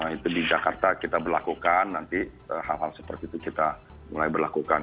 itu di jakarta kita berlakukan nanti hal hal seperti itu kita mulai berlakukan